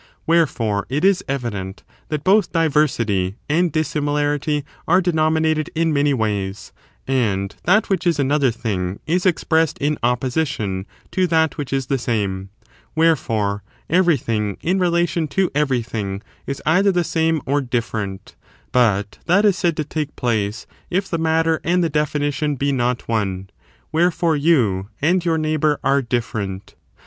Wherefore, it is evident that both diversity s. Concomi and dissimilarity are denominated in many S^/.l^^j/JS,';! ways; and that which is another thing ih ex larity.diversUy, pressed in opposition to that which is the same. *" difference. Wherefore, eveiything in relation to everything is either the same or diflTerent ; but that is said to take place if the matter and the definition be not one : wherefore, you and your neighbour are different.